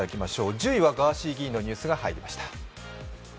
１０位はガーシー議員のニュースが入りました。